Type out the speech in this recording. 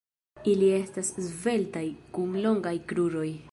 Ili estas sveltaj, kun longaj kruroj.